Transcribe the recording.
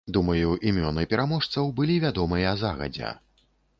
Думаю, імёны пераможцаў былі вядомыя загадзя.